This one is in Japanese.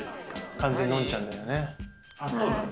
完全に、のんちゃんだよね。